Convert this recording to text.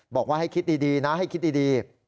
บอกว่าให้คิดดีนะให้คิดดี